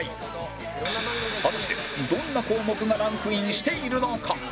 果たしてどんな項目がランクインしているのか？